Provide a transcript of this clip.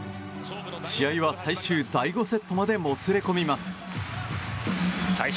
試合は最終第５セットまでもつれ込みます。